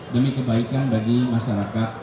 demi kebaikan bagi masyarakat